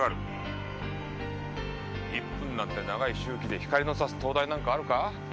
１分なんて長い周期で光のさす灯台なんてあるか？